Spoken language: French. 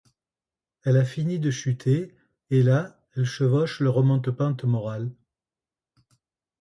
Elle a fini de chuter et là elle chevauche le remonte-pente moral.